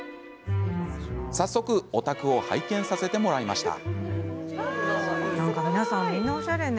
早速、お宅を拝見させてもらいました。